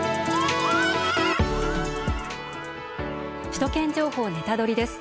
「首都圏情報ネタドリ！」です。